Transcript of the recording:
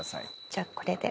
じゃあこれで。